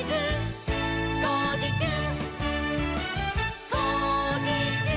「こうじちゅう！！」